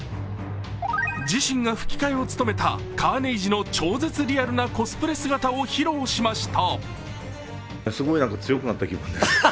自身が吹き替えを務めたカーネイジの超絶リアルなコスプレ姿を披露しました。